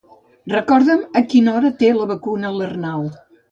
Recorda'm a quina hora té la vacuna l'Arnau.